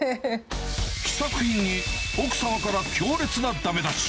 試作品に奥さんから強烈なだめ出し。